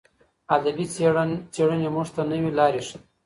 ادبي څېړني موږ ته نوې لارې ښيي.